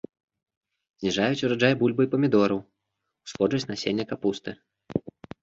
Зніжаюць ураджай бульбы і памідораў, усходжасць насення капусты.